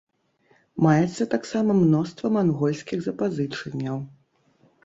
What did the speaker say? Маецца таксама мноства мангольскіх запазычанняў.